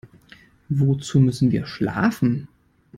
Wozu müssen wir schlafen?